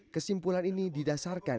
kesimpulan ini didasarkan